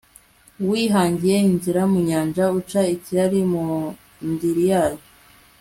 wihangiye inzira mu nyanja, uca ikirari mu ndiri yayo